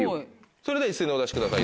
それでは一斉にお出しください